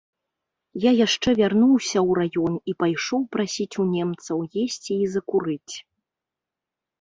Я яшчэ вярнуўся ў раён і пайшоў прасіць у немцаў есці і закурыць.